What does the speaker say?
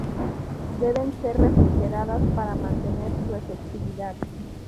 Deben ser refrigeradas para mantener su efectividad.